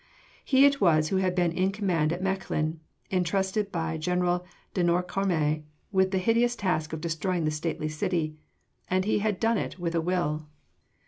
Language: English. He it was who had been in command at Mechlin entrusted by General de Noircarmes with the hideous task of destroying the stately city and he had done it with a will.